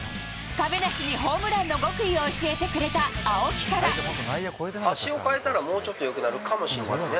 亀梨にホームランの極意を教足を変えたらもうちょっとよくなるかもしれないね。